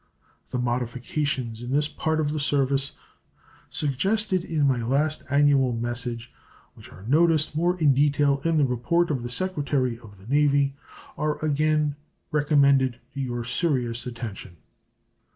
The modifications in this part of the service suggested in my last annual message, which are noticed more in detail in the report of the Secretary of the Navy, are again recommended to your serious attention.